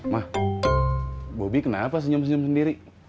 mah bobby kenapa senyum senyum sendiri